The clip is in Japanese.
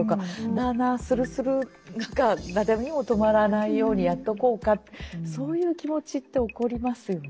なあなあするする止まらないようにやっておこうかそういう気持ちって起こりますよね。